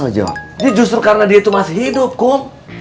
ini justru karena dia itu masih hidup kom